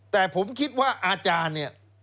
แต่ผมคิดว่าอาจารย์เนี่ย